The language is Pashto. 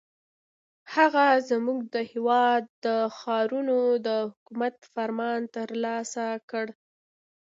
هغه زموږ د هېواد د ښارونو د حکومت فرمان ترلاسه کړ.